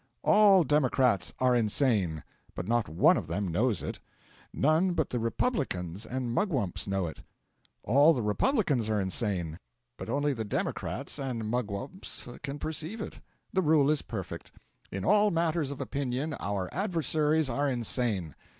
All democrats are insane, but not one of them knows it; none but the republicans and mugwumps know it. All the republicans are insane, but only the democrats and mugwumps can perceive it. The rule is perfect; in all matters of opinion our adversaries are insane.